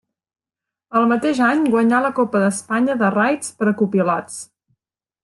El mateix any guanyà la Copa d'Espanya de raids per a copilots.